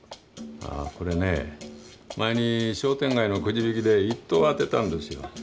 これね前に商店街のくじ引きで１等を当てたんですよ。